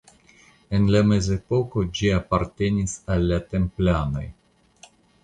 En la Mezepoko ĝi apartenis al la Templanoj.